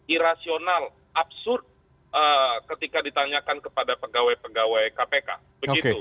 irrasional absurd ketika ditanyakan kepada pegawai pegawai kpk